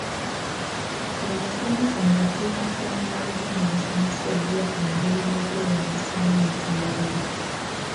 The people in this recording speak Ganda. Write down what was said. Abasomesa mu bukiikakkono bwa Uganda basomeseddwa engeri y'okweyambisaamu omutimbagano.